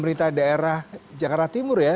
pemerintah daerah jakarta timur ya